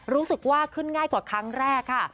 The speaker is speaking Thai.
รู้สึกว่าขึ้นง่ายกว่าครั้งแรกค่ะ